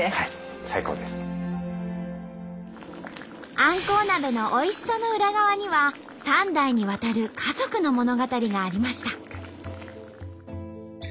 あんこう鍋のおいしさの裏側には３代にわたる家族の物語がありました。